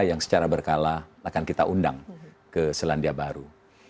yang secara berkala akan kita undang ke selandia baru